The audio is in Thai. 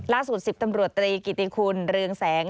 ล่าสุด๑๐ตำรวจตรีกิติคุณเรืองแสง